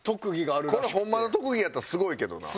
これホンマの特技やったらすごいけどな。